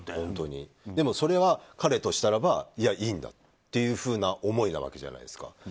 でも、それは彼としたらばいいんだっていうふうな思いなわけじゃないですか。